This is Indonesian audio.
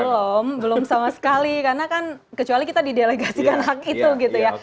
belum belum sama sekali karena kan kecuali kita didelegasikan hak itu gitu ya